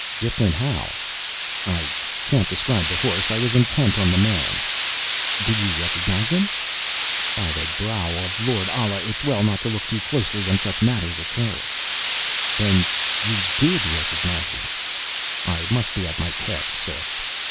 "Different how?" "I can't describe the horse. I was intent on the man." "Did you recognize him?" "By the brow of Lord Allah, it's well not to look too closely when such matters occur." "Then you did recognize him!" "I must be at my task, sir."